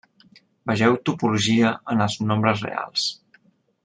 Vegeu Topologia en els nombres reals.